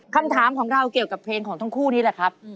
คำถามของเราเกี่ยวกับเพลงของทั้งคู่นี้แหละครับ